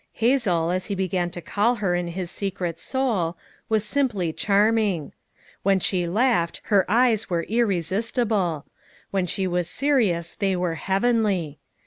Hazel, as he began to call her in his secret soul, was simply charming. When she laughed, her eyes were irresistible; when she was serious, they were heavenly.